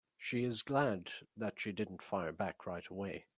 She is glad that she didn't fire back right away.